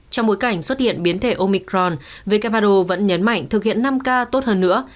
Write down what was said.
trong bối cảnh xuất hiện biến thể omicron who vẫn nhấn mạnh thực hiện năm k tốt hơn nữa